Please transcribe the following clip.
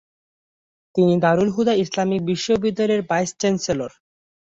তিনি দারুল হুদা ইসলামিক বিশ্ববিদ্যালয়ের vice chancellor.